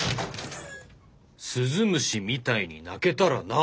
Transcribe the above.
「鈴虫みたいに泣けたらな」。